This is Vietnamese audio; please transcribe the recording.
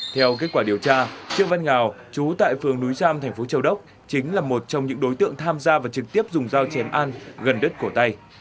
theo kết quả điều tra trương văn ngào chú tại phường núi giam thành phố châu đốc chính là một trong những đối tượng tham gia và trực tiếp dùng dao chém an gần đất cổ tay